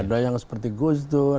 ada yang seperti gus dur